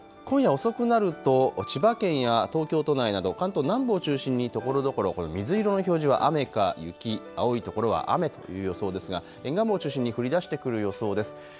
今夜遅くなると千葉県や東京都内など関東南部を中心にところどころ水色の表示は雨か雪、青い所は雨という予想ですが沿岸部を中心に降りだしてくる予想です。